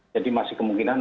jadi masih kemungkinan